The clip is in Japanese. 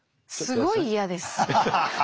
すごい嫌です。